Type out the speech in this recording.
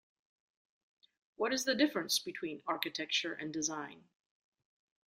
What is the difference between architecture and design?